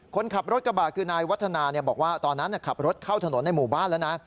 คนขับรถกระบะคือนายวัฒนาบอกว่าตอนนั้นขับรถเข้าถนนในหมู่บ้านแล้วนะ